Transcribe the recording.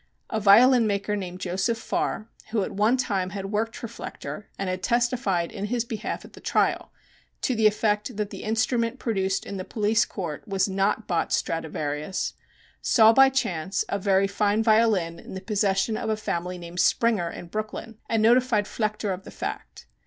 A violin maker named Joseph Farr, who at one time had worked for Flechter and had testified in his behalf at the trial (to the effect that the instrument produced in the police court was not Bott's Stradivarius) saw by chance a very fine violin in the possession of a family named Springer in Brooklyn, and notified Flechter of the fact.